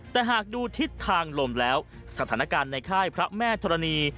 แต่หากดูทิศทางลมแล้วสถานการณ์ในค่ายพระแม่ธรณี